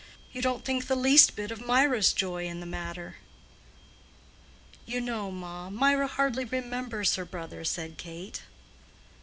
"You don't think the least bit of Mirah's joy in the matter." "You know, ma, Mirah hardly remembers her brother," said Kate.